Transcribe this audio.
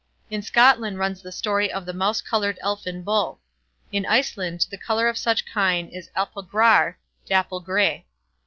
In Scotland runs the story of the mouse coloured Elfin Bull. In Iceland the colour of such kine is apalgrár, dapple grey.